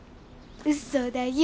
うそだよ。